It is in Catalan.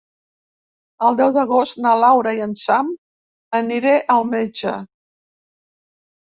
El deu d'agost na Laura i en Sam aniré al metge.